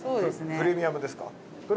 プレミアムですか？